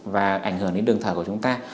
và ảnh hưởng đến đường thở của chúng ta